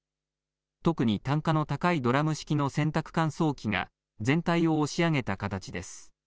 特に単価の高いドラム式の洗濯乾燥機が全体を押し上げた形です。